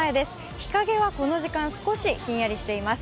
日陰はこの時間、少しひんやりしています。